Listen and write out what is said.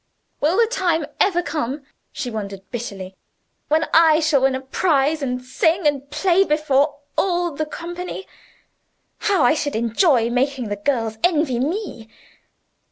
"Will the time ever come," she wondered bitterly, "when I shall win a prize, and sing and play before all the company? How I should enjoy making the girls envy me!"